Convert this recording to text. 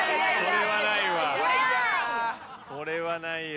これはないわ。